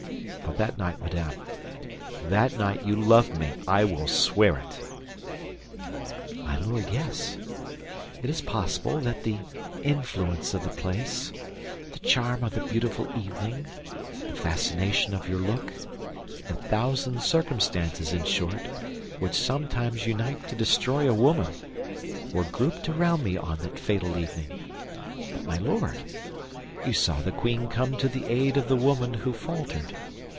For that night, madame, that night you loved me, I will swear it." "My Lord, yes; it is possible that the influence of the place, the charm of the beautiful evening, the fascination of your look—the thousand circumstances, in short, which sometimes unite to destroy a woman—were grouped around me on that fatal evening; but, my Lord, you saw the queen come to the aid of the woman who faltered.